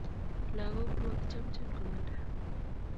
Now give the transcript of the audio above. lakok komakichamchi kumanda